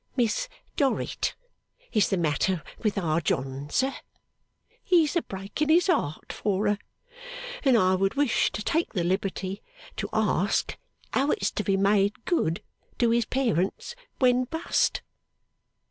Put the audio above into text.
'Miss Dorrit is the matter with Our John, sir; he's a breaking his heart for her, and I would wish to take the liberty to ask how it's to be made good to his parents when bust?